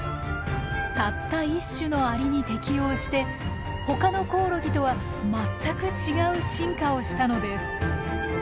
たった１種のアリに適応してほかのコオロギとは全く違う進化をしたのです。